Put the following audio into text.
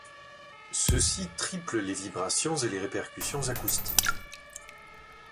Ceux-ci triplent les vibrations et les répercussions acoustiques.